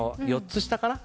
４つ下かな？